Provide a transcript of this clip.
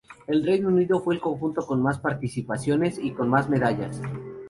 El Reino Unido fue el conjunto con más participaciones y con más medallas.